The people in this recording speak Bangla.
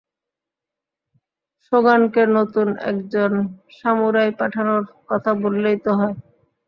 সোগানকে নতুন একজন সামুরাই পাঠানোর কথা বললেই তো হয়।